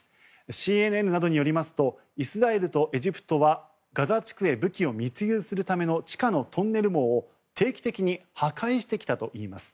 ＣＮＮなどによりますとイスラエルとエジプトはガザ地区へ武器を密輸するための地下のトンネル網を定期的に破壊してきたといいます。